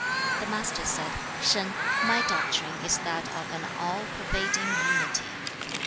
The Master said, 'Shan, my doctrine is that of an all pervading unity.'